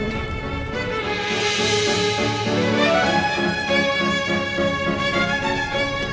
perhujung aku ini